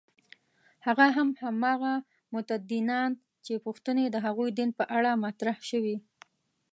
هغه هم هماغه متدینان چې پوښتنې د هغوی دین په اړه مطرح شوې.